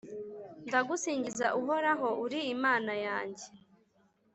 Ndagusingiza Uhoraho, uri Imana yanjye,